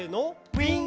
「ウィン！」